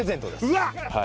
うわっ！